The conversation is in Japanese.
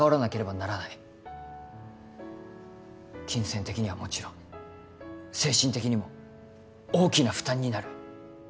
金銭的にはもちろん精神的にも大きな負担になる。